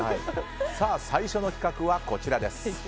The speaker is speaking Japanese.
最初の企画はこちらです。